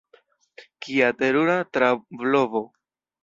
Kia terura trablovo!